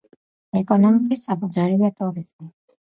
ეკონომიკის საფუძველია ტურიზმი.